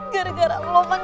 gara gara roman gue siap